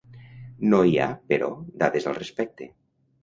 No hi ha, però, dades al respecte.